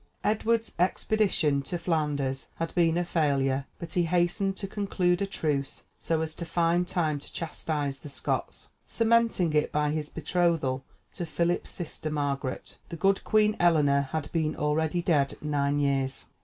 Edward's expedition to Flanders had been a failure, but he hastened to conclude a truce, so as to find time to chastise the Scots, cementing it by his betrothal to Philip's sister Margaret. The good Queen Eleanor had been already dead nine years.